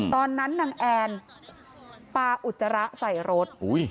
ตอนนั้นนางแอนปลาอุจจาระใส่รถ